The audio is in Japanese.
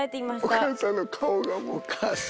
お母さんの顔がもう。